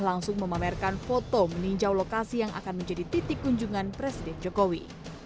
langsung memamerkan foto meninjau lokasi yang akan menjadi titik kunjungan presiden jokowi